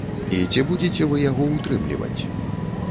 І ці будзеце вы яго ўтрымліваць?